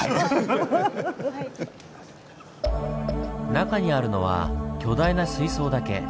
中にあるのは巨大な水槽だけ。